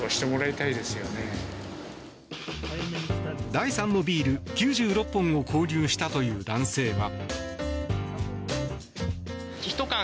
第３のビール、９６本を購入したという男性は。